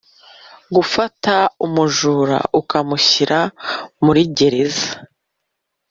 gufata umujura ukamushyira muri gereza.